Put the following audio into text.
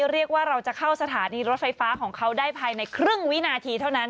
เราจะเข้าสถานีรถไฟฟ้าของเขาได้ภายในครึ่งวินาทีเท่านั้น